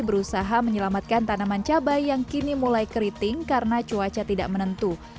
berusaha menyelamatkan tanaman cabai yang kini mulai keriting karena cuaca tidak menentu